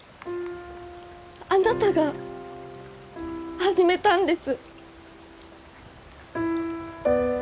あなたが始めたんです！